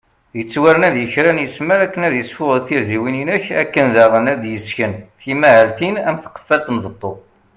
Ittwarna deg kra n ismal akken ad isfuγel tirziwin inek , akken daγen ad d-yesken timahaltin am tqefalt n beṭṭu